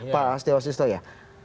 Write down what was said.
pak astagfirullahaladzim ya